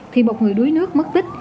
thì một người đuối nước mất tích